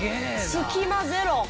隙間ゼロ。